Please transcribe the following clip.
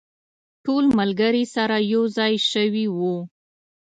ټول ملګري سره یو ځای شوي وو.